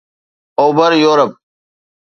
اوڀر يورپ